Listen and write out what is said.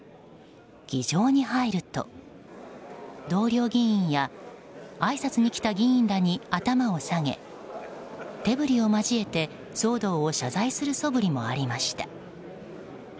議場に入ると同僚議員やあいさつに来た議員らに頭を下げ手ぶりを交えて騒動を謝罪するそぶりもありました。